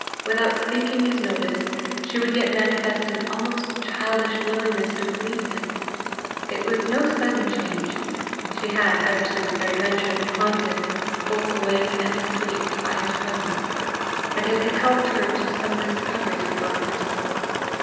Without seeking his notice she would yet manifest an almost childish willingness to please him. It was no sudden change. She had, ever since their adventure, been haunted, both awake and asleep, by his presence, and it had helped her to some discoveries regarding herself.